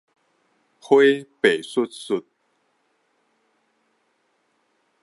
花白 sut-sut